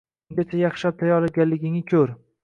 Ungacha yaxshilab tayyorgarligingni ko‘r